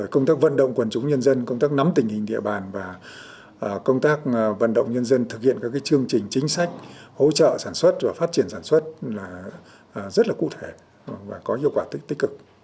công tác nắm tình hình địa bàn và công tác vận động nhân dân thực hiện các chương trình chính sách hỗ trợ sản xuất và phát triển sản xuất rất là cụ thể và có hiệu quả tích cực